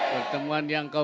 negara yang maju